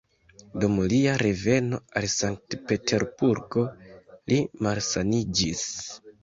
Dum lia reveno al Sankt-Peterburgo, li malsaniĝis.